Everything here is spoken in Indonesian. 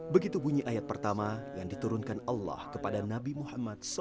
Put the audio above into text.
begitu bunyi ayat pertama yang diturunkan allah kepada nabi muhammad saw